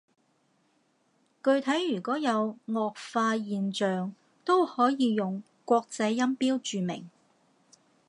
具體如果有顎化現象，都可以用國際音標注明